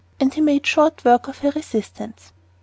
He made short work of her resistance.